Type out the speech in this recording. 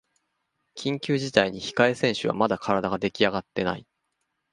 緊急事態に控え選手はまだ体ができあがってない